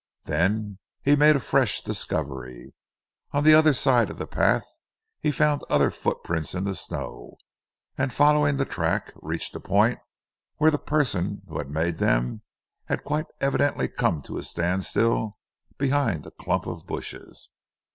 Then he made a fresh discovery. On the other side of the path he found other footprints in the snow, and, following the track, reached a point where the person who had made them had quite evidently come to a standstill behind a clump of bushes.